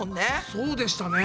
そうでしたね。